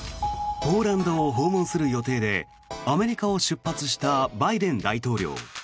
ポーランドを訪問する予定でアメリカを出発したバイデン大統領。